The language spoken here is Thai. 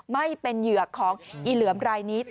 ไม่เป็นเหยื่อของอีเหลือมรายนี้